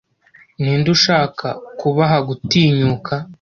ninde ushaka kubaha gutinyuka